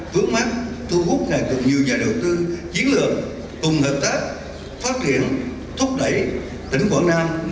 vướng mắt thu hút này từ nhiều nhà đầu tư chiến lược cùng hợp tác phát triển thúc đẩy tỉnh quảng nam